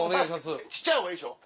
小っちゃい方がいいでしょ？